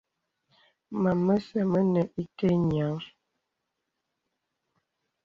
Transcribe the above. Mam məsə̀ mənə ìtə nyìəŋ.